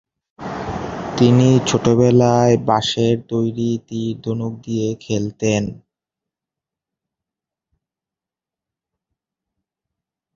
তিনি ছোটবেলায় বাঁশের তৈরি তীর-ধনুক দিয়ে খেলতেন।